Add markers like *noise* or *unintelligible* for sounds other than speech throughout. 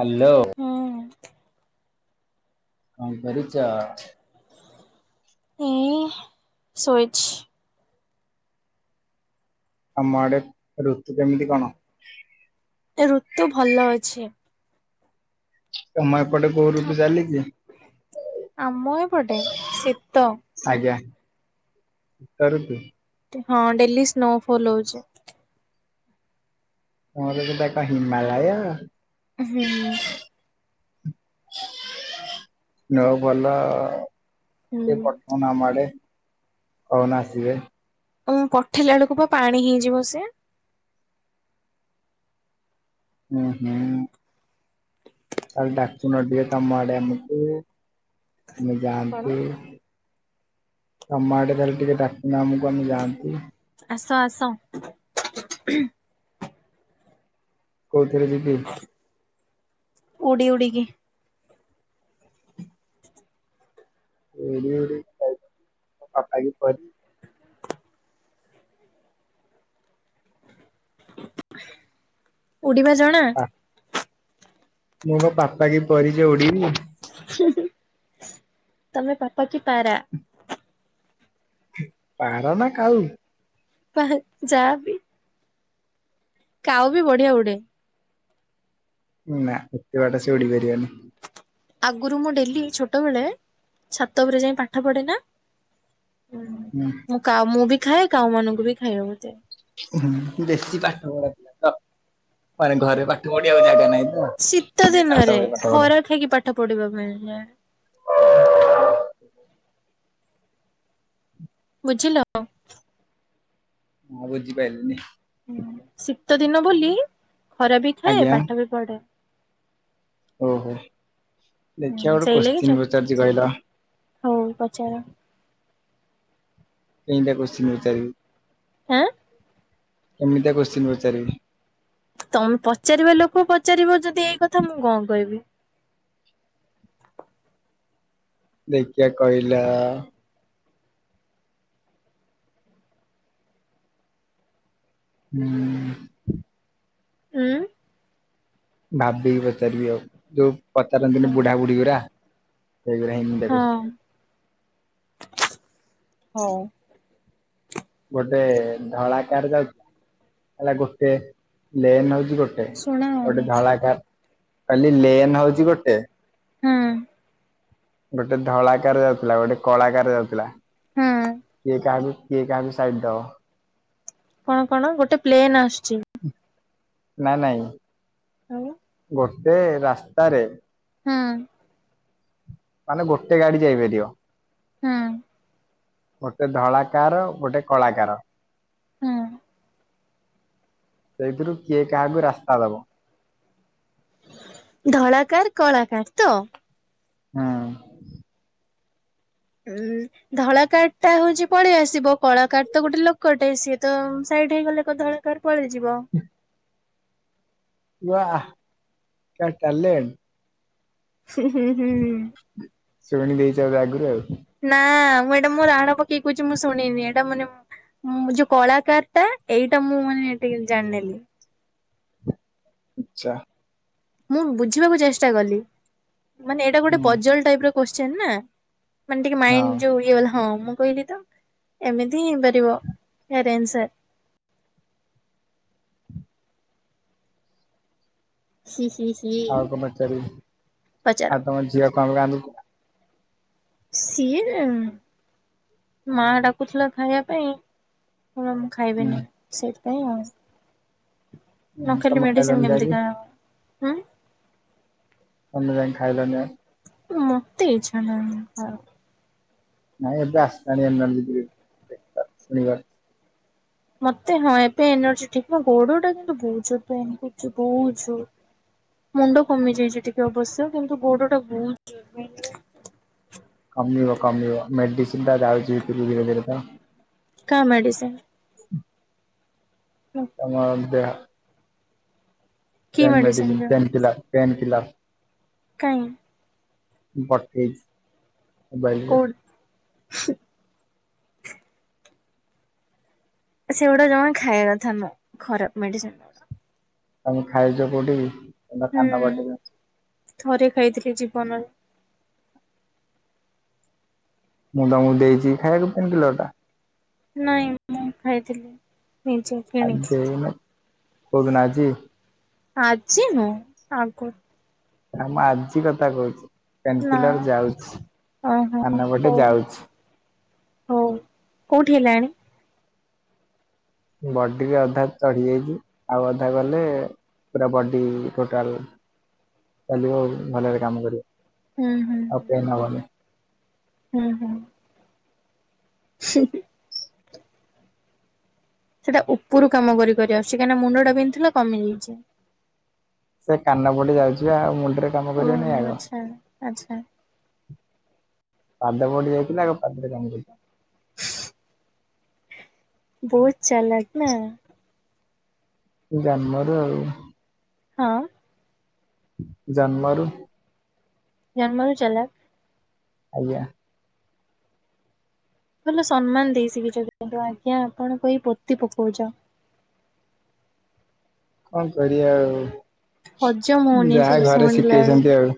Hello! ହୁଁ କଣ କରୁଛ? ଏଇ ଶୋଇଛି। ତମ ଆଡ଼େ ଋତୁ କେମିତି କଣ? ଋତୁ ଭଲ ଅଛି। ତମ ପଟୁ ପଟେ ଗୋରୁ ଥ ବି ଚାଲିକି ଆମ ଏପଟେ ଶୀତ ଆଜ୍ଞା। ସରେଦ ହଁ ଡେଲି ସ୍ନୋଫଲ ହଉଛି। ତମର କିତ ଏକା ହିମାଳୟ ହୁଁ। ନ ଭଲ ଆଉ। ହୁଁ ସେ ପଠାଉନ ଆମ ଆଡ଼େ ଆସିବେ ଉଁ ପଠେଇଲା ବେଳକୁ ପ ପାଣି ହେଇଯିବ ସେ ଓ ହୋ। ତା ହେଲେ ଡାକୁନ ଟିକେ ତମ ଆଡ଼କୁ ଆମକୁ ଆମେ କଣ ଯାଆନ୍ତୁ ତମ ଆଡ଼େ ତାହେଲେ ଟିକେ ଡାକୁନ ଆମକୁ ଆମେ ଯାଆନ୍ତୁ। ଆସ ଆସ କୋଉଥିରେ ଯିବି ଉଡ଼ି ଉଡ଼ିିକି ଉଡ଼ି ଉଡ଼ି କି ଯାଇଥାନ୍ତି, ବାପା କି ପରି ଉଡ଼ିବା ଜଣା ପା ମୁଁ କଣ ପାପା କି ପରି ଯେ ଉଡ଼ିବି। ତମେ ପାପା କି ପାରା ପାର ନା କାଲ ପା ଯାହା ବିି କାଉ ବି ବଢ଼ିଆ ଉଡ଼େ ନା ଏତେ ବାଟ ସେ ଉଡ଼ି ପାରିବନି। ଆଗରୁ ମୁଁ ଡେଲି ଛୋଟବେଳେ ଛାତ ଉପରେ ଯାଇ ପାଠ ପଢ଼େ ନା ମୁଁ କାଉ ମୁଁ ବି ଖାଏ କାଉ ମାନଙ୍କୁ ବି ଖାଏବାକୁ ଦିଏ। ବେଶୀ ପାଠ ପଢ଼ା ଥିଲା ତ ମାନେ ଘରେ ପାଠ ପଢ଼ି ଆଉ ଜାଗା ନାହିଁ। ତ। ଶୀତ ସେଇଥିପାଇଁ ଛାତ ଦିନରେ ଉପରେ ପାଠ ପଢା ଖରା ଖାଇକି ପାଠ ପଢ଼ିବା ପାଇଁ ଯାଏ। *inaudible* ବୁଝିଲ। ହଁ ବୁଝିପାରିଲିନି। ଶୀତ ଦିନ ବୋଲି ଖରା ବି ଖାଏ ଆଜ୍ଞା ପାଠ ବି ପଢ଼େ ଓହୋ ଦେଖିବା ହୁଁ ଗୋଟେ ସେଇ ଲାଗି କୋଶ୍ଚିନ ପଚାରୁଛି କହିଲା। ହଉ ପଚାର କେମିତିଆ କୋଶ୍ଚିନ୍ ପଚାରିବି ଆଁ କେମିତିଆ କୋଶ୍ଚିନ୍ ପଚାରିବି। ତମେ ପଚାରିବା ଲୋକ ପଚାରିବ ଯଦି ଏଇ କଥା ମୁଁ କଣ କହିବି। ଦେଖିବା କହିଲା? ହୁଁ। ଉଁ। ଭାବିକି ପଚାରିବି ଆଉ ଯୋଉ ପଚାରନ୍ତିନି ବୁଢ଼ା ବୁଢ଼ୀ ଗରା ସେଇଗୁଡ଼ା ଏମିତିଆ ହଁ। କୋଶ୍ଚିନ୍। ହଉ। ଗୋଟେ ଧଳାକାର ଯାଉଥିଲା ହେଲା ଗୋଟେ ଲେନ ହଉଛି। ଗୋଟେ ଶୁଣା ଗୋଟେ ହଉନି ଧଳାକାର କାଲି ଲେନ ହଉଛି ଗୋଟେ ହୁଁ। ଗୋଟେ ଧଳାକାର ଯାଉଥିଲା ଗୋଟେ କଳାକାର ଯାଉଥିଲା ହୁଁ କିଏ କାହା କିଏ କାହାବି ସାଇଟ୍ ଦଅ କଣ କଣ ଗୋଟେ ପ୍ଲେନ୍ ଆସୁଛି। ନା ନାଇଁ। ହୁଁ। ଗୋଟେ ରାସ୍ତାରେ ହଁ। ମାନେ ଗୋଟେ ଗାଡି ଯାଇପାରିବ? ହୁଁ ଗୋଟେ ଧଳାକାର ଗୋଟେ କଳାକାର ହୁଁ ସେଇଥିରୁ କିଏ କାହାକୁ ରାସ୍ତା ଦେବ ଧଳାକାର କଳାକାର ତ ହଁ। ଉୁଁ ଧଳା କଠ ଟା ହଉଛି ପଳେଇ ଆସିବ କଳା କଠ ତ ଗୋଟେ ଲୋକଟେ ସିଏ ତ ଏଇଠିଇ ଗଲେ କଧଳାକାର ପଳେଇଯିବ ଟଲ ହୁଁ ହୁଁ ହୁଁ ହ। ଶୁଣି ଦେଇଛି ଆଗରୁ ଆଉ। କୁଛି ମୁଁ ଶୁଣିନି ଏଇଟା ମାନେ ଯୋଉ କଳାକାର ଟା ଏଇଟା ମୁଁ ମାନେ ଟିକେ ଜାଣିନେଲି ଆଛା। ମୁଁ ବୁଝିବାକୁ ଚେଷ୍ଟା କଲି, ମାନେ ଏଇଟା ଗୋଟେ ହୁଁ ପଜଲ ଟାଇପ ର କୋଶ୍ଚନ ନା ମାନେ ଟିକେ ହଁ ମାଇଣ୍ଡ ଯୋଉ ଇଏ ହେଲା ହଁ ମୁଁ କହିଲି ତ ଏମିତି ହ ହେଇପାରିବ। ହୁଁ। ଆଉ କ ପଚାର ପଚାର। ଆଉ ତମର ଝିଅ କଣ କ ସିଏ ମା ଡାକୁଥିଲା ଖାଇବା ପାଇଁ ହଣ ମୁଁ ଖାଇବିନି ହୁଁ ସେଇଥିପାଇଁ ଆଉ। ନ ହୁଁ ଖାଲି ତମେ ମେଡିସିନ ଖାଇଲଣି ଗମ ଯାଇକି ଦଖାବା ହୁ କେ ଯାଇ ଖାଇଲ ନଁ। ମତେ ଇଛା ନା ନାଇଁ ଏବେ ଆସତାନି ଆପନର ଯଦି ଦେବା ଶନିବାର। ମତେ ହଁ ଏ ପେନ୍ ଅଛି, ଠିକ ନା ଗୋଡଟା କିନ୍ତୁ ବହୁତୋ ପେନ୍ କରୁଛି ବହୁତୋ ମୁଣ୍ଡ କମି ଯାଇଛି ଟିକେ ଅବଶ୍ୟ କିନ୍ତୁ ଗୋଡ ଟା ବହୁ କମିିବ କମିବ ମେଡିସିନ୍ ଟାଉ ଯ ଧୀରେ ଧୀରେ ତ କାହା ମେଡ଼ିସିନ? *unintelligible* କି ପେନ୍ ମେଡିସିନ ମେଡିସିନ୍ ଦିଅନ୍ତି ପେନକିଲର୍ ପେନକିଲର୍। କାଇଁ? ମୁଁ ପଠେଇଚି ମୋବାଇଲରେ। କୋଉ *inaudible* ସେଗୁଡା ଜମା ଖାଇବା କଥା ନୁହଁ। ଖରାପ ମେଡିସିନ ତମେ ଖାଇଚ କୋଉଠିକି? ହୁଁ ଥରେ ଖାଇଥିଲି ଜୀବନରେ। ମୁଁ ତମକୁ ଦେଇଚି ଖାଇବାକୁ ପେନକିଲର ଟା। ନାଇଁ ମୁଁ ଖାଇଥିଲି ନିଜେ ଆଉ କିଣିକି। ଦେଇନ କୋଉଦିନ ଆଜି? ଆଜି ନୁହଁ ଆଗରୁ। ନା ମୁଁ ଆଜି କଥା କହୁଚି। ପେନକିଲର ନା ଯାଉଚି *unintelligible* ଯାଉଚି। ଓ କୋଉଠି ହେଲାଣି? ବଡି କି ଅଧା ଚଢି ଯାଇଚି, ଆଉ ଅଧା ଗଲେ ପୁରା ବଡି ଟୋଟାଲ ଚାଲିବ ଆଉ, ଭଲରେ କାମ କରିବ। ହୁଁ ହୁଁ ଆଉ ପେନ୍ ହବନି। ହୁଁ ହୁଁ। *inaudible* ସେଟା ଉପରୁ କାମ କରି କରି ଆସୁଚି। କାହିଁକିନା ମୁଣ୍ଡ ଟା ବିନ୍ଧୁଥିଲା କମି ଯାଇଚି। ସେ କାନ ପଟେ ଯାଉଚି ପା, ମୁଣ୍ଡରେ କାମ ଓହୋ କରିବନି ଆଗ। ଆଚ୍ଛା ଆଚ୍ଛା ପାଦ ପଟେ ଯାଇଥିଲା ଆଗ ପାଦରେ କାମଦବ। ବହୁତ ଚାଲକ୍ ନା। ଜନ୍ମରୁ ଆଉ। ହଁ। ଜନ୍ମ ରୁ ଜନ୍ମ ରୁ ଚାଲାକ୍। ଆଜ୍ଞା। ଭଲ ସମ୍ମାନ ଦେଇ ଶିଖିଛନ୍ତି କିନ୍ତୁ। ଆଜ୍ଞା ଆପଣ କହି ପୋତି ପକଉଛ। *inaudible* କଣ କରିବା ହଜମ ଆଉ ହଉନି ଯାହା ଏସବୁ ଘରେ ଶୁଣିଲା ବେଳକୁ ଶିଖେଇଛନ୍ତି ଆଉ।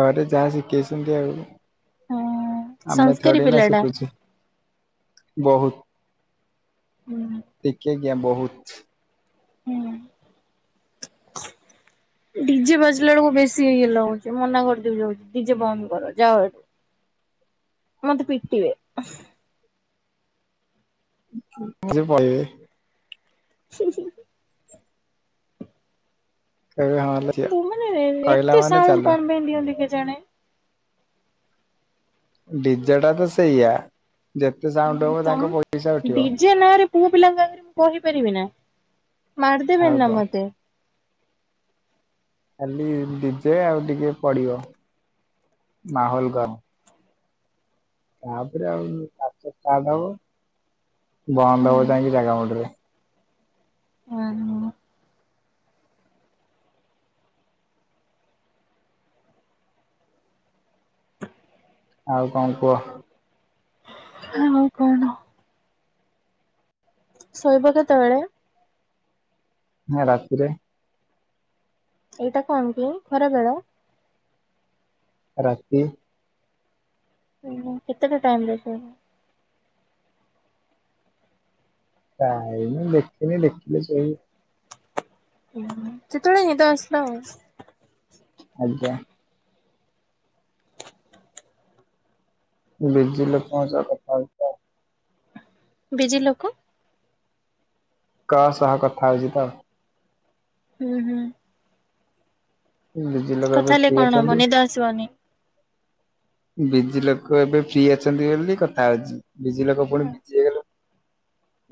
ଘରେ ଯାହା ଶିଖେଇଛନ୍ତି ଆଉ। ହଁ ଆମେ ସଂସ୍କାରୀ ଥୋଡ଼ି ନା ପିଲାଟା ଶିଖୁଛେ, ବହୁତ। ହୁଁ ଟିକେ କିଆଁ ବହୁତ। *inaudible* ହୁଁ। ଡିଜେ ବାଜିଲା ବେଳକୁ ବେଶୀ ଇଏ ଲାଗୁଛି। ମନା କରିଦେବି ଯାଉଚି ଡିଜେ ବନ୍ଦ କର ଯାଅ ଏଠୁ। *inaudible* ମତେ ପିଟିିବେ। *unintelligible* *inaudible* ହଁ ଝିଅ ପୁଅ ମାନେ କହିଲା ଏତେ ମାନେ ଚାଲ ସାଉଣ୍ଡ କଣ ପାଇଁ ଦିଅନ୍ତି କେଜାଣି? ଡିଜେ ଟା ତ ସେଇଆ। ଯେତେ ସାଉଣ୍ଡ ହବ ତମ ତାଙ୍କ ପଇସା ଉଠିବ ଡିଜେ ନାଁରେ ପୁଅ ପିଲାଙ୍କ ଆଗରେ ମୁଁ କହିପାରିବି ନା। ଆଉ ମାରିଦେବେନି ନା କଣ ମତେ। ଖାଲି ଡିଜେ ଆଉ ଟିକେ ପଡିବ ମାହୋଲ ଗରମ୍। ତାପରେ ଆଉ ନାଚ ଷ୍ଟାର୍ଟ ହବ। ବନ୍ଦ ହବ ଯାଇକି ଜାଗା ମୁଣ୍ଡରେ। ଅ ହଁ। ଆଉ କଣ କୁହ? ହଉ କଣ ଶୋଇବ କେ ତଳେ ହଁ ରାତିରେ ଏଇଟା କଣ କି ଖରା ବର ରାତି ହ କେତେଟା ଟାଇମ ଦେଖ ଯାଇନି ଦେଖିନି ଦେଖିଲି ସେଇ ସେତେବେଳେ ନିଦ ଆସିଲ ଆଜ୍ଞା। ବେଜିିଲ୍ ପହଞ୍ଚା କଥାଳତା ବିଜ ଲୋକ କା ସହା କଥା ଆୟୋଜିିତ ହୁଁ ହୁଁ। ଦୁଜ ଲଗେଇ କଥା ହେଲେ କିି କଣ ହବ ଅଛନ୍ତି। ନିଦ ଆସିବନି ବିଜି ଲୋକ ଏବେ ଫ୍ରି ଅଛନ୍ତି ବୋଲି କଥା ହଉଛି। ବିଜି ଲୋକ ପୁଣି ବିଜି ହେଇଗଲେ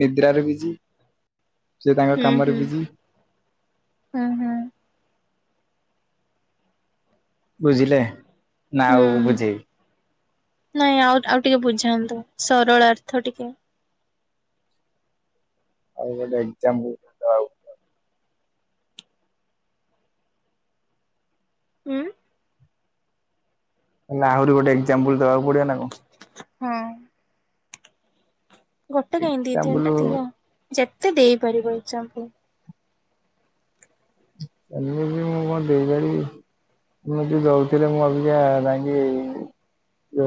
ନିଦ୍ରାରେ ବିଜି ସେ ତାଙ୍କ ହୁଁ କାମରେ ହୁଁ ବିଜି। ହୁଁ ହୁଁ। ବୁଝିଲେ ନା ହୁଁ ଆଉ ବୁଝେଇ ନାଇଁ ଆଉ ଆଉ ଟିକେ ବୁଝାନ୍ତୁ ସରଳ ଅର୍ଥ ଟିକେଯ ଆଉ ଗୋଟେ ଏକ୍ଜାମ୍ ଆଉ। ହୁଁ। ହେଲେ ଆହୁରି ଗୋଟେ ଏକ୍ଜାମ୍ପଲ ଦେବାକୁ ପଡିବ ନା କଣ? ହଁ। ଗୋଟେ କାହିଁ ଦି ଏକ୍ଜାମ୍ପଲ ତିନିଟା ଥିବ ଯେତେ ଦେଇପାରିବ ଏଇମ୍ପଲ *inaudible* *unintelligible* ଯେଉ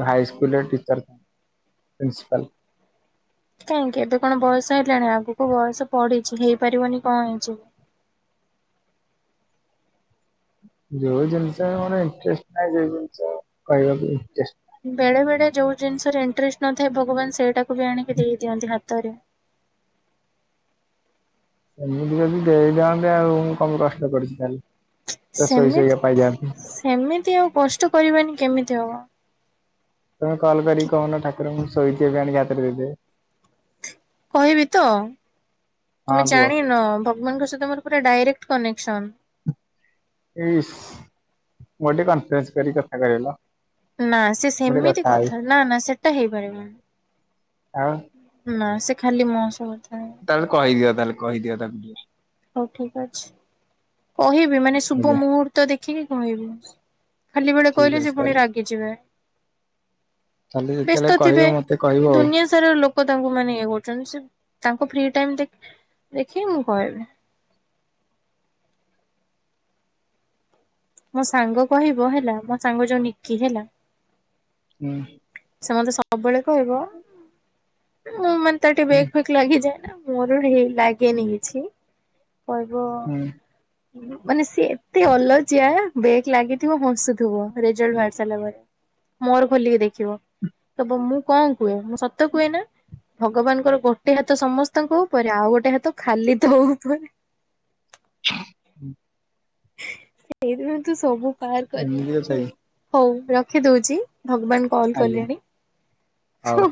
ହାଇ ସ୍କୁୁଲରେ ଟିଚର ପ୍ରିସିପଲ କାହିଁକି ଏବେ କଣ ବୟସ ହେଲାଣି ଆଗକୁ ବୟସ ପଢିଛି ହେଇପାରିବନି କଣ ହେଇଛିି? ଯୋଉ ଜିନିଷ ମୋର ଇଣ୍ଟ୍ରଷ୍ଟ ନାହି ସେ ଜିନିଷ କହକୁ ବେଳେ ବେଳେ ଯୋଉ ଜିନିଷରେ ଇଣ୍ଟରେଷ୍ଟ ନଥାଏ, ଭଗବାନ ସେଇଟାକୁ ବି ଆଣିକି ଦେଇଦିଅନ୍ତି ହାତ ତରେ ଏମିତି ଯଦି ଦେଇଦାଅନ୍ତେ, ଆଉ ମୁଁ କମ କଷ୍ଟ କରୁଛି ଖଲେ ସେମ ସେମିତି ଆଉ କଷ୍ଟ କରିବନି କେମିତି ହବ? ତମେ କଲ୍ କରିକି କହୁନ ଠାକୁର ମୁଁ ଶୋଇଛି ଏବେ ଆଣିକି ହାତରେ ଦେଇଦେଏ କହିବି ତ ହଁ ତମେ କୁହ ଜାଣିନ ଭଗବାନଙ୍କ ସତ ତମର ପୁରା ଡାଇରେକ୍ଟ କନେକ୍ସନ୍ ଇସ୍ ଗଟେ କନ୍ଫରେନ୍ସ କରି କଥା କରେଇଲ। ନା ସେ ମୁଁ ଟିକେ ସେମିତି ହେବି କଥା ନା ନା ସେଟା ହେଇ ପାରିବନି। ହଁ। ନା ସେ ଖାଲି ମୋ ସହ କଥା ତାହେଲେ କହିଦିଅ ତାହେଲେ କହିଦିଅ ତାକୁ ଟିକେ ହଉ ଠିକ ଅଛି କହିବି ମାନେ ଶୁଭ ଆଜ୍ଞା ମୁହୂର୍ତ୍ତ ଦେଖିକି କହିବି। ଖାଲି ବେଳେ କହିଲେ ଠିକ ଯେ ଅଛି ପୁଣି ତାହେଲେ ରାଗିଯିବେ। ତାହେଲେ ଯେତେବେଳେ ବ୍ୟସ୍ତ ଥିବେ କହିବ ମତେ କହିବ ଆଉ ଦୁନିଆ ସାରା ଲୋକ ତାଙ୍କୁ ମାନେ ଇଏ କରୁଛନ୍ତି ସେ ତା ଫି ଟାଇ ଦେଖି ମୁଁ କହିବି। ମୋ ସାଙ୍ଗ କହିବ ହେଲା ମୋ ସାଙ୍ଗ ଯୋଉ ନିକି ହେଲା ହୁଁ। ସେ ମତେ ସବୁବେଳେ କହିବ ମୁଁ ମାନେ ତା ଟିକେ ହୁଁ ବେକ୍ ଫେକ୍ ଲାଗିଯାଏନା ମୋର ହେଇ ଲାଗେନି କିଛି କହିବ ହୁଁ ମାନେ ଏତେ ଅଲଜିିଆ ବେକ୍ ଲାଗିଥିବ ହସୁଥିବ ରେଜଲ୍ଟ ବାହାରି ସାରିଲା ପରେ। ମୋର ଖୋଲିକି ଦେଖିବ। ତ ମୁଁ କଣ କୁହେ ମୁଁ ସତ କୁହେ ନା। ଭଗବାନଙ୍କର ଗୋଟେ ହାତ ସମସ୍ତଙ୍କ ଉପରେ। ଆଉ ଗୋଟେ ହାତ ଖାଲି ତୋ ଉପରେ। *inaudible* ହୁଁ। ସେଇଥିପାଇଁ ତୁ ସବୁ ପାର ଏମିତି କଥା କରିଯାଉଛୁ କି ହଉ ରଖିଦଉଛି। ଭଗବାନ୍ କଲ୍ ଆଜ୍ଞା କଲେଣି। ହଉ।